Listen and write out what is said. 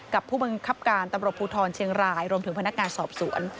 ผู้บังคับการตำรวจภูทรเชียงรายรวมถึงพนักงานสอบสวน